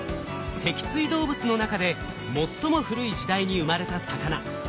脊椎動物の中で最も古い時代に生まれた魚。